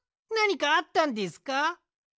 なにかあったんですか？